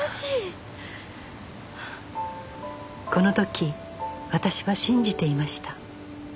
この時私は信じていました